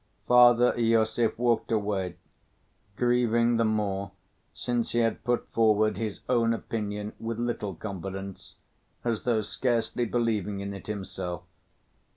Father Iosif walked away, grieving the more since he had put forward his own opinion with little confidence as though scarcely believing in it himself.